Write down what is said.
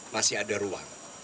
masih ada ruang